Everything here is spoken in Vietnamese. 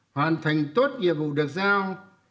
hoàn thành tốt nhiệm vụ được giao